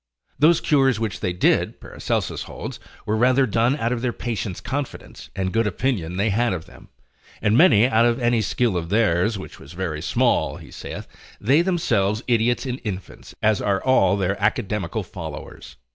Those cures which they did, Paracelsus holds, were rather done out of their patients' confidence, and good opinion they had of them, than out of any skill of theirs, which was very small, he saith, they themselves idiots and infants, as are all their academical followers.